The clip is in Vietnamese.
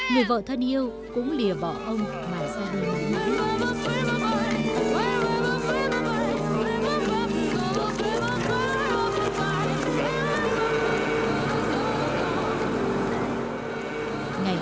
người vợ thân yêu cũng lìa bỏ ông mà ra đời